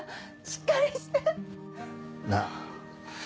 しっかりして！なぁ